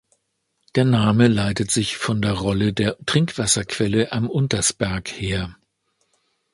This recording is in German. Der Name leitet sich von der Rolle der Trinkwasserquelle am Untersberg her.